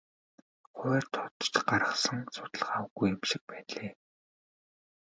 Хувиар тооцож гаргасан судалгаа үгүй юм шиг байна лээ.